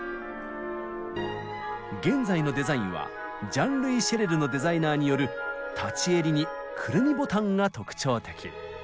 現在のデザインはジャン・ルイ・シェレルのデザイナーによる立ち襟にくるみボタンが特徴的。